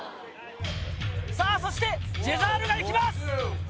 さぁそしてジェザールがいきます！